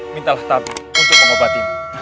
mintalah tapi untuk mengobatinmu